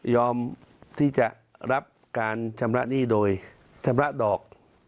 ที่จะรับการชำระหนี้โดยชำระดอก